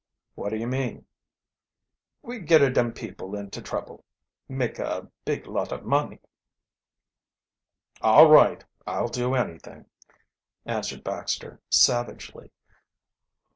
"What do you mean?" "We gitta dem people into trouble maka big lot of money." "All right I'll do anything," answered Baxter savagely.